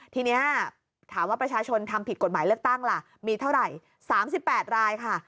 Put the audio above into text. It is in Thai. ทีนี้ถามว่าประชาชนทำผิดกฎหมายเลือกตั้งล่ะมีเท่าไหร่๓๘รายค่ะ